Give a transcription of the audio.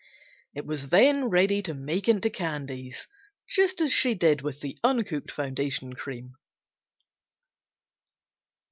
It was then ready to make into candies just as she did with the uncooked foundation cream on page 92.